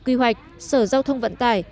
quy hoạch sở giao thông vận tải